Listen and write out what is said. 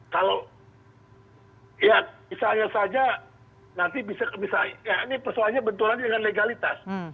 kalau ya misalnya saja nanti bisa ya ini persoalannya benturan dengan legalitas